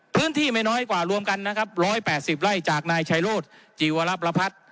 พื้นที่ไม่น้อยกว่ารวมกัน๑๘๐ไร่จากนายชายโลศิวรประพัทธ์